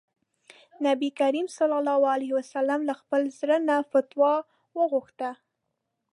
نبي کريم ص له خپل زړه نه فتوا وغوښته.